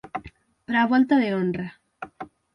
Para a volta de honra.